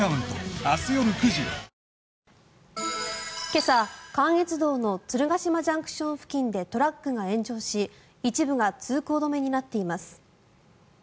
今朝関越道の鶴ヶ島ＪＣＴ付近でトラックが炎上し一部が通行止めになっています。